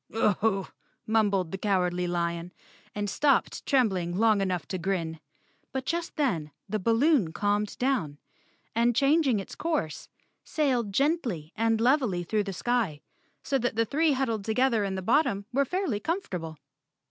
"Aho!" mumbled the Cowardly Lion, and stopped trembling long enough to grin. But just then the balloon calmed down, and changing its course sailed gently and levelly through the sky, so that the three huddled together in the bottom were fairly com¬ fortable.